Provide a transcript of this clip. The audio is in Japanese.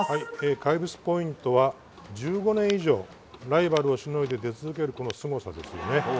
怪物ポイントは１５年以上ライバルをしのいで出続けるすごさですよね。